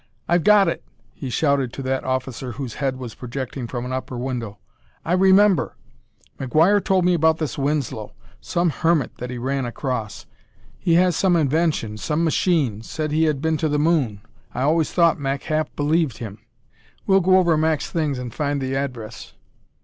"I've got it," he shouted to that officer whose head was projecting from an upper window. "I remember! McGuire told me about this Winslow some hermit that he ran across. He has some invention some machine said he had been to the moon. I always thought Mac half believed him. We'll go over Mac's things and find the address."